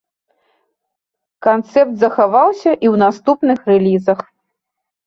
Канцэпт захаваўся і ў наступных рэлізах.